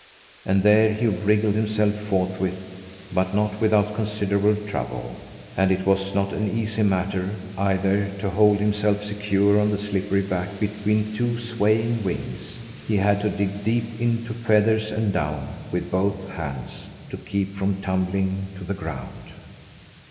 And there he wriggled himself forthwith; but not without considerable trouble. And it was not an easy matter, either, to hold himself secure on the slippery back, between two swaying wings. He had to dig deep into feathers and down with both hands, to keep from tumbling to the ground.